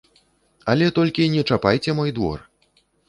Але толькі не чапайце мой двор!